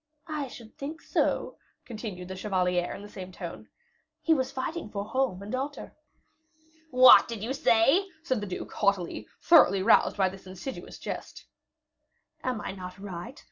"I should think so," continued the chevalier, in the same tone. "He was fighting for home and altar." "What did you say?" said the duke, haughtily, thoroughly roused by this insidious jest. "Am I not right?